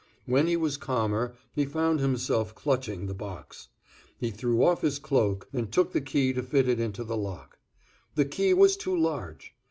When he was calmer, he found himself clutching the box. He threw off his cloak and took the key to fit it into the lock. The key was too large.